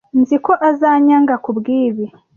Nzi ko azanyanga kubwibi.